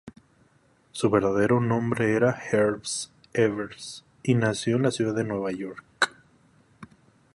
Su verdadero nombre era Herb Evers, y nació en la ciudad de Nueva York.